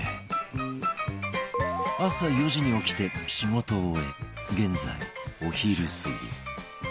朝４時に起きて仕事を終え現在お昼過ぎ